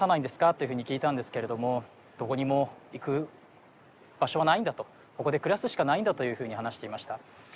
っていうふうに聞いたんですけれどもどこにも行く場所はないんだとここで暮らすしかないんだというふうに話していました